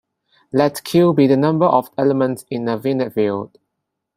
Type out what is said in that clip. Let "q" be the number of elements in a finite field.